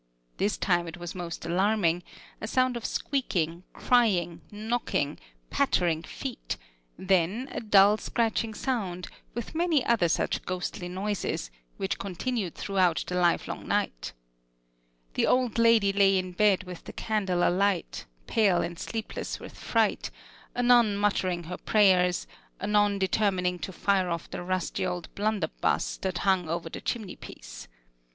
This time it was most alarming: a sound of squeaking, crying, knocking, pattering feet; then a dull scratching sound, with many other such ghostly noises, which continued throughout the livelong night. The old lady lay in bed with the candle alight, pale and sleepless with fright, anon muttering her prayers, anon determined to fire off the rusty old blunderbuss that hung over the chimneypiece.